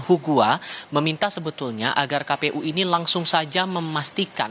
hugua meminta sebetulnya agar kpu ini langsung saja memastikan